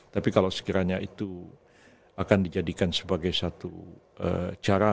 tapi kalau sekiranya itu akan dijadikan sebagai satu cara